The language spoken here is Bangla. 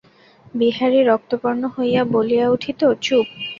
বিহারী রক্তবর্ণ হইয়া বলিয়া উঠিত, চুপ!